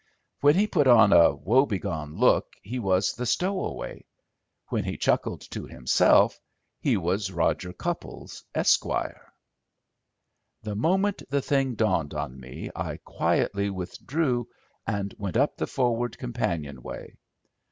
When he put on a woe begone look he was the stowaway; when he chuckled to himself he was Roger Cupples, Esq. The moment the thing dawned on me I quietly withdrew and went up the forward companion way.